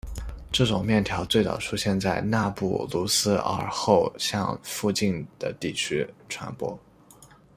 这种面条最早出现在纳布卢斯而后向附近的地区传播。